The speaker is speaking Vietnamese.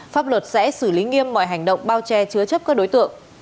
pháp luật sẽ xử lý nghiêm mọi hành động bao che chứa chấp các đối tượng